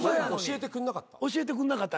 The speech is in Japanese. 教えてくんなかった？